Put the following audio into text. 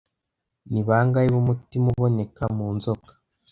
Ni bangahe b'umutima uboneka mu nzoka